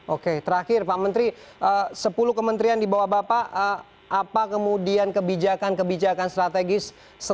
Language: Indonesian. oke terakhir pak menteri sepuluh kementerian di bawah bapak apa kemudian kebijakan kebijakan strategis